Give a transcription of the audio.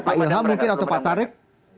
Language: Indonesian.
pak ilham mungkin atau pak tarik